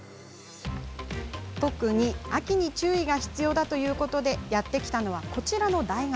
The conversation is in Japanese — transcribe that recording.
特に秋に注意が必要だということでやって来たのは、こちらの大学。